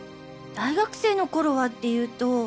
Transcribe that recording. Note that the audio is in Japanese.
大学生の頃はっていうと。